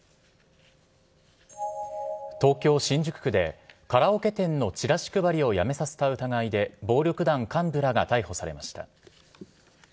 東京・新宿区で、カラオケ店のチラシ配りをやめさせた疑いで、暴力団幹部らが逮捕されました。